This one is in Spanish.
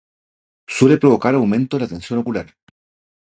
Suele provocar aumento de la tensión ocular.